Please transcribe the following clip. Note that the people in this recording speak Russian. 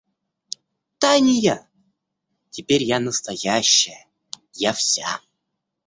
Та не я. Теперь я настоящая, я вся.